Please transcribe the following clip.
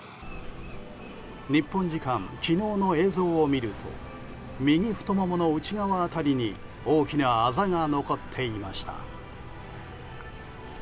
日本時間昨日の映像を見ると右太ももの内側辺りに大きなあざが残っていました。